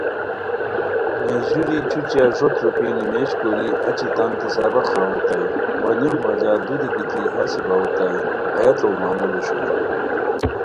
میرژوری چھوچھیہ ݱوت روپھی نیمیژ کوری اچی تنتین سبق راؤ اوتائے وا نیوف بجا دُوری گیتی ہاسی باؤ اوتائے، ہیہ ہتو معمول اوشوئے